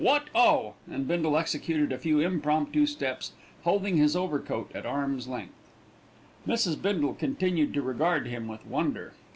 What oh!" and Bindle executed a few impromptu steps, holding his overcoat at arm's length. Mrs. Bindle continued to regard him with wonder.